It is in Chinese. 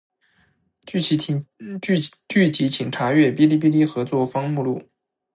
具体请查阅《哔哩哔哩合作方目录》。